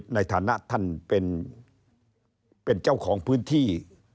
ในฐานะท่านเป็นเจ้าของพื้นที่